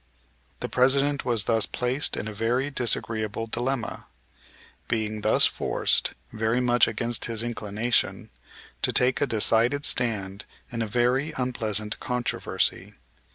The President was thus placed in a very disagreeable dilemma, being thus forced, very much against his inclination, to take a decided stand in a very unpleasant controversy.